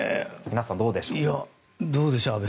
皆さん、どうでしょう。